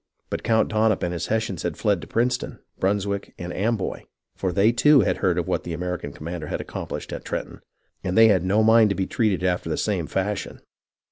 But Count Dunop and his Hessians had fled to Princeton, Brunswick, and Amboy; for they, too, had heard of what the American com mander had accomplished at Trenton, and they had no mind to be treated after the same fashion.